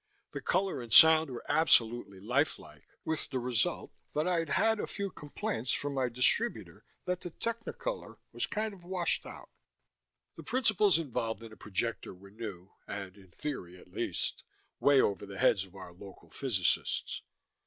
The color and sound were absolutely life like with the result that I'd had a few complaints from my distributor that the Technicolor was kind of washed out. The principles involved in the projector were new, and in theory, at least way over the heads of our local physicists.